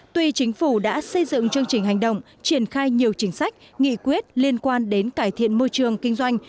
tuy chính phủ đã xây dựng chương trình hành động triển khai nhiều chính sách nghị quyết liên quan đến cải thiện môi trường kinh doanh